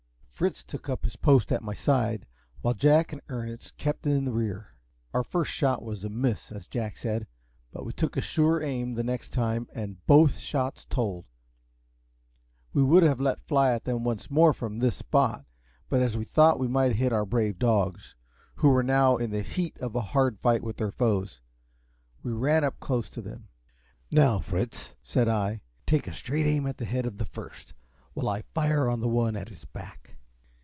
Fritz took up his post at my side, while Jack and Ernest kept in the rear. Our first shot was "a miss," as Jack said; but we took a sure aim the next time, and both shots told. We would have let fly at them once more from this spot, but as we thought we might hit our brave dogs, who were now in the heat of a hard fight with their foes, we ran up close to them. "Now, Fritz," said I, "take a straight aim at the head of the first, while I fire on the one at his back."